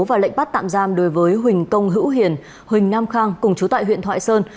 và lệnh bắt tạm giam đối với huỳnh công hữu hiền huỳnh nam khang cùng chú tại huyện thoại sơn